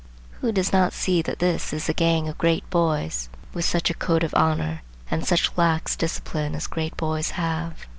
Who does not see that this is a gang of great boys, with such a code of honor and such lax discipline as great boys have?